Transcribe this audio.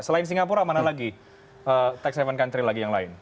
selain singapura mana lagi tax haven country lagi yang lain